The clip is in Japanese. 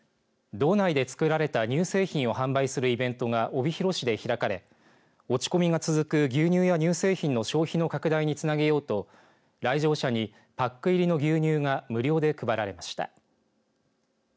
道内で作られた乳製品を販売するイベントが帯広市で開かれ落ち込みが続く牛乳や乳製品の消費の拡大につなげようと来場者にパック入りの牛乳が無料で配られました。